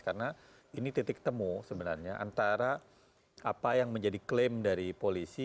karena ini titik temu sebenarnya antara apa yang menjadi klaim dari polisi